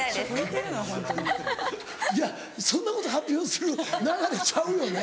いやそんなこと発表する流れちゃうよね。